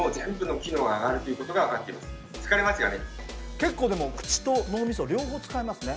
結構でも口と脳みそ両方使いますね。